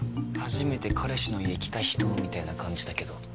初めて彼氏の家来た人みたいな感じだけど。